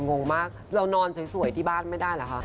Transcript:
งงมากเรานอนสวยที่บ้านไม่ได้เหรอคะ